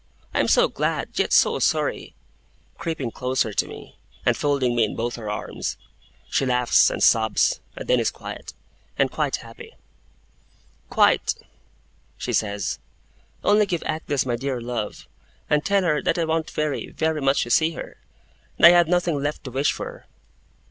I am so glad, yet so sorry!' creeping closer to me, and folding me in both her arms. She laughs and sobs, and then is quiet, and quite happy. 'Quite!' she says. 'Only give Agnes my dear love, and tell her that I want very, very, much to see her; and I have nothing left to wish for.